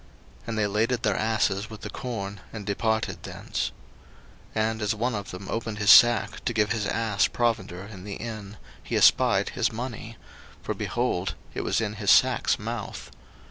01:042:026 And they laded their asses with the corn, and departed thence. 01:042:027 And as one of them opened his sack to give his ass provender in the inn, he espied his money; for, behold, it was in his sack's mouth.